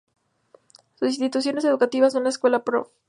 Sus instituciones educativas son la Esc. Prov.